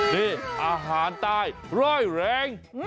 นี่อาหารใต้ร่อยแรง